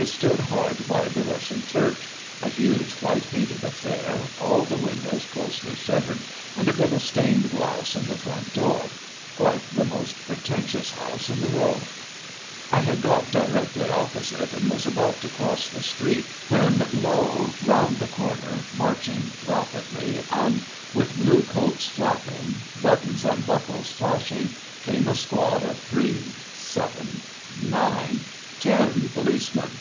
It stood hard by the Russian Church, a huge white painted affair, all the windows closely shuttered and a bit of stained glass in the front door—quite the most pretentious house in the row. I had got directly opposite, and was about to cross the street when, lo! around the corner, marching rapidly, and with blue coats flapping, buttons and buckles flashing, came a squad of three, seven, nine—ten policemen.